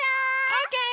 オーケー！